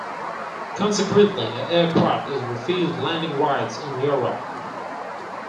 Consequently, the aircraft is refused landing rights in Europe.